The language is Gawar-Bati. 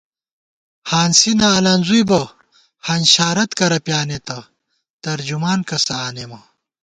ہانسی نہ الَنزُوئی بہ ہنشارت کرہ پیانېتہ ، ترجمان کسہ آنېمہ